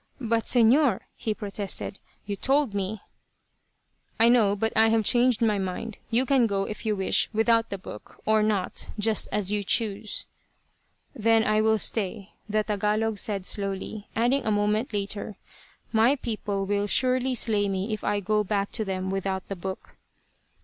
"But, Señor," he protested. "You told me " "I know; but I have changed my mind. You can go, if you wish, without the book, or not, just as you choose." "Then I will stay," the Tagalog said slowly, adding a moment later, "My people will surely slay me if I go back to them without the book."